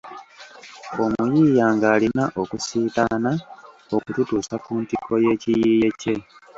Omuyiiya ng'alina okusiitaana okututuusa ku ntikko y'ekiyiiye kye.